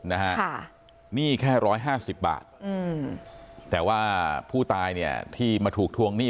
หนี้แค่๑๕๐บาทแต่ว่าผู้ตายเนี่ยที่มาถูกทวงหนี้